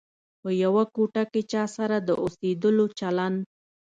په یوه کوټه کې چا سره د اوسېدلو چلند.